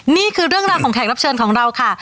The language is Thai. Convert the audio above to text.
นี่คือเรื่องราวของแขกรับเชิญของเราค่ะ